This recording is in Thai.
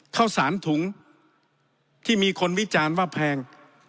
ข้าวสารถุงที่มีคนวิจารณ์ว่าแพง